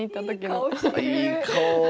いい顔。